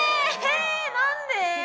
何で！？